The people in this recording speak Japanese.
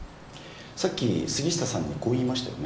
さっき杉下さんにこう言いましたよね。